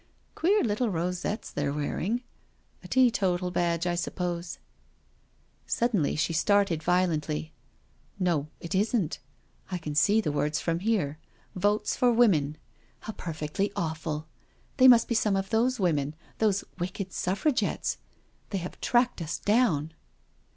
Queer little rosettes they're wearing I A teetotal badge, I suppose. ..•*' Suddenly she started violently. " No, it isn't — I can see the words from here —* Votes for Women I ' How perfectly awful I They must be some of those women — those wicked Suffragettes. They have tracked us down."